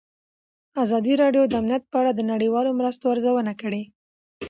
ازادي راډیو د امنیت په اړه د نړیوالو مرستو ارزونه کړې.